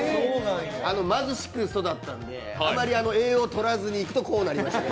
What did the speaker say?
貧しく育ったので、あまり栄養をとらずにいくとこうなりました。